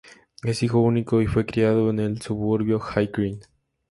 Es hijo único y fue criado en el suburbio High Green.